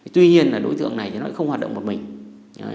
tuy nhiên là đối tượng này thì nó không hoạt động một mình